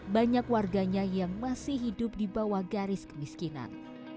banyak warganya yang masih hidup di bawah garis kemiskinan